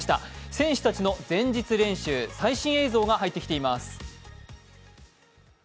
選手たちの前日練習、最新映像が入ってきています。